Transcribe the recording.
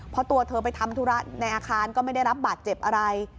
เพราะตัวเธอไปทำธุระในอาคารก็ไม่ได้รับบาดเจ็บอะไร